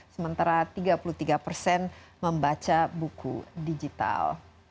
sementara tiga puluh tiga persen membaca buku digital